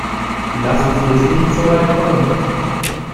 Lassen Sie es nicht soweit kommen!